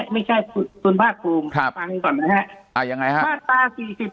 ไม่ใช่คุณผ้าภูมิก็ฟังให้ก่อนนะครับ